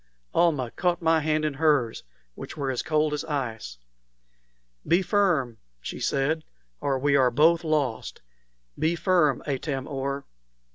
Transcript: Almah caught my hands in hers, which were as cold as ice. "Be firm," she said, "or we are both lost. Be firm, Atam or!"